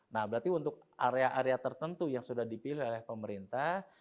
nah berarti untuk area area tertentu yang sudah dipilih oleh pemerintah